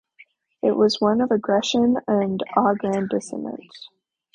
It was one of aggression and aggrandisement.